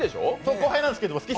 後輩なんですけど。